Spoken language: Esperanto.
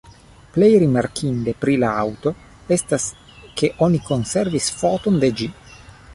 Plej rimarkinde pri la aŭto estas ke oni konservis foton de ĝi.